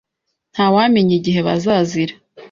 Ntawamenya igihe bazazira.